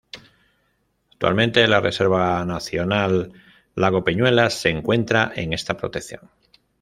Actualmente la Reserva Nacional Lago Peñuelas se encuentra en esta protección.